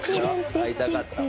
『会いたかった』は。